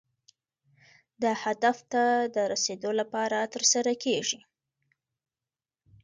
دا هدف ته د رسیدو لپاره ترسره کیږي.